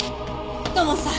土門さん